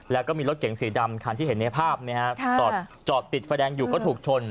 แล้วก็มีรถเก๋งสีดำคันที่เห็นในภาพจอดติดไฟแดงอยู่ก็ถูกชน